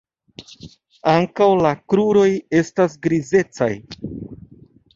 Ankaŭ la kruroj estas grizecaj.